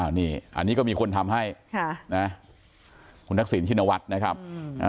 อันนี้อันนี้ก็มีคนทำให้ค่ะนะคุณทักษิณชินวัฒน์นะครับ